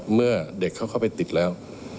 เมื่อเด็กเขาเข้าไปติดแล้ว